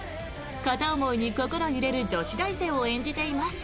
片思いに心揺れる女子大生を演じています。